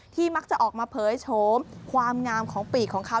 มักจะออกมาเผยโฉมความงามของปีกของเขา